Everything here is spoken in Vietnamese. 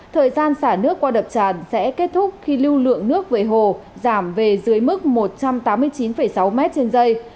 thời gian xả nước qua đập tràn sẽ kết thúc khi lưu lượng nước về hồ giảm về dưới mức một trăm tám mươi chín sáu m trên dây